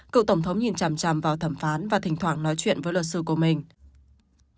cựu tổng thống nhìn chằm chằm vào thẩm phán và thỉnh thoảng nói chuyện với luật sư của mình